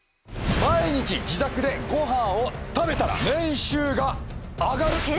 毎日自宅でご飯を食べたら年収が上がる。